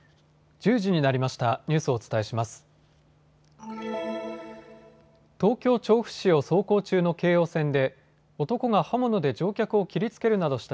１０時になりました。